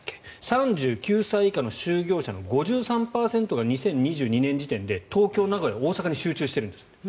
３９歳以下の就業者の５３％が２０２２年時点で東京、名古屋、大阪に集中してるんですって。